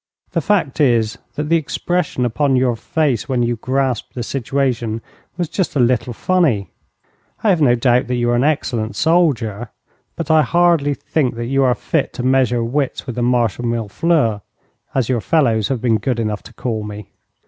'The fact is, that the expression upon your face when you grasped the situation was just a little funny. I have no doubt that you are an excellent soldier, but I hardly think that you are fit to measure wits with the Marshal Millefleurs, as your fellows have been good enough to call me.